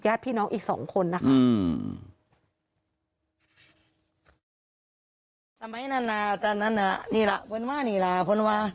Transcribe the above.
ญาติพี่น้องอีก๒คนนะครับ